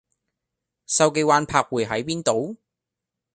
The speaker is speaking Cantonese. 筲箕灣柏匯喺邊度？